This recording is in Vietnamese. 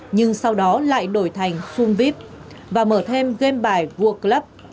nhưng sau đó lại đổi thành zoom viếp và mở thêm game bài world club